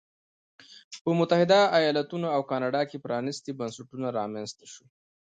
په متحده ایالتونو او کاناډا کې پرانیستي بنسټونه رامنځته شول.